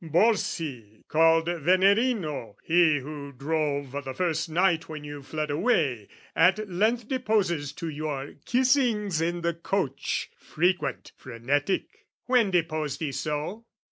"Borsi, called Venerino, he who drove, "O' the first night when you fled away, at length "Deposes to your kissings in the coach, " Frequent, frenetic..." "When deposed he so?"